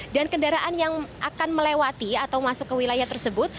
dan kendaraan yang akan melewati atau masuk ke wilayah tersebut